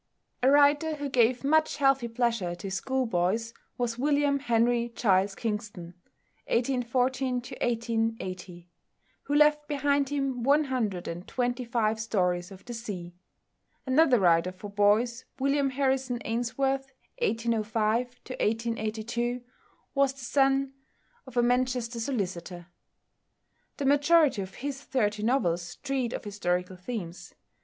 A writer who gave much healthy pleasure to schoolboys was =William Henry Giles Kingston (1814 1880)=, who left behind him one hundred and twenty five stories of the sea. Another writer for boys, =William Harrison Ainsworth (1805 1882)=, was the son of a Manchester solicitor. The majority of his thirty novels treat of historical themes.